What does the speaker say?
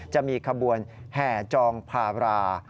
จะมีขบวนแห่จองพารา